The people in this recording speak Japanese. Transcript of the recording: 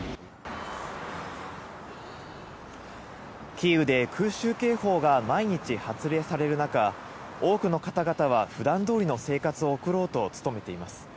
キーウで空襲警報が毎日発令される中、多くの方々はふだんどおりの生活を送ろうと努めています。